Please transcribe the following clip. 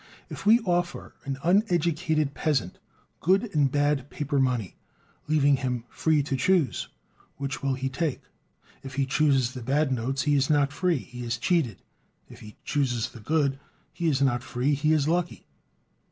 If we offer an uneducated peasant good and bad paper money, leaving him "free to choose" which he will take, and he chooses the bad notes, he is not free, he is cheated; if he chooses the good, he is not free, he is lucky.